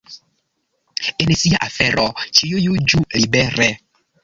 En sia afero ĉiu juĝu libere.